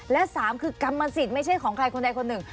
และสามคือกรรมสิทธิ์ไม่ใช่ของใครคนใดคนหนึ่ง